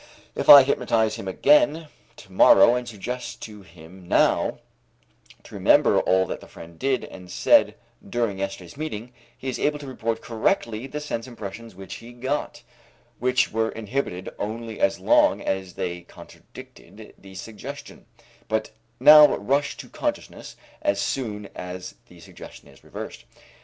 If I hypnotize him again to morrow and suggest to him now to remember all that the friend did and said during yesterday's meeting, he is able to report correctly the sense impressions which he got, which were inhibited only as long as they contradicted the suggestion, but now rush to consciousness as soon as the suggestion is reversed.